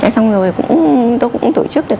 xong rồi tôi cũng tổ chức được